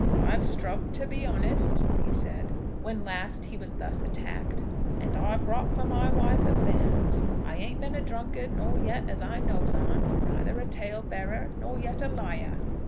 "I've struv' to be honest," he said, when last he was thus attacked, "and I've wrought for my wife and bairns. I ain't been a drunkard, nor yet, as I knows on, neither a tale bearer, nor yet a liar.